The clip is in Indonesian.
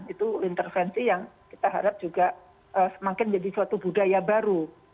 itu intervensi yang kita harap juga semakin menjadi suatu budaya baru